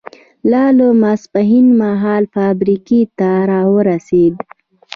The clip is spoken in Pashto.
لولا ماسپښین مهال فابریکې ته را ورسېد.